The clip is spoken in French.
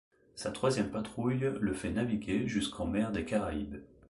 Sa troisième patrouille le fait naviguer jusqu'en Mer des Caraïbes.